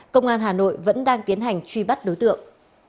công an hà nội vẫn đang tiến hành truy bắt đối tượng